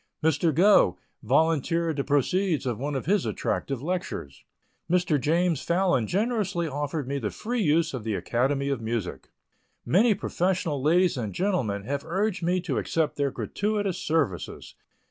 Mr. Gough volunteered the proceeds of one of his attractive lectures; Mr. James Phalon generously offered me the free use of the Academy of Music; many professional ladies and gentlemen have urged me to accept their gratuitous services.